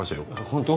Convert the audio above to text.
ホント？